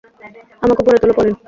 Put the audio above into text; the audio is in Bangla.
আমাকে উপরে তোলো, পলিন।